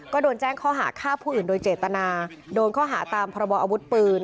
ก็โดนแจ้งข้อหาฆ่าผู้อื่นโดยเจตนาโดนข้อหาตามพรบออาวุธปืน